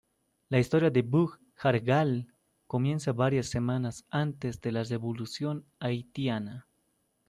La historia de Bug-Jargal comienza varias semanas antes de la Revolución haitiana.